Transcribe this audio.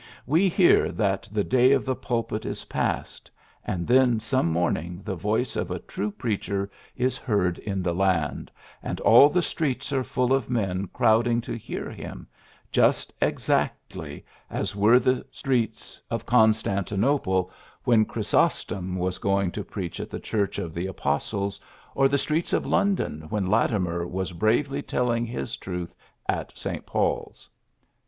We hear that the day of the pulpit is past ; and then some morning the voice of a true preacher is heard in the land, and all the streets are full of men crowding to hear him, just exactly as were the streets of 60 PHILLIPS BROOKS Constantinople when Chrysostom was going to preach at the Church of the Apostles, or the streets of London when Latimer was bravely telling his truth at St. PauPs."